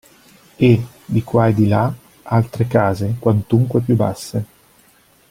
E, di qua e di là, altre case, quantunque più basse.